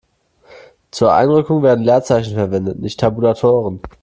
Zur Einrückung werden Leerzeichen verwendet, nicht Tabulatoren.